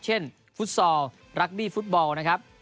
ฟุตซอลรักบี้ฟุตบอลนะครับ